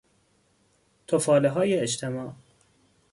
تفالههای اجتماع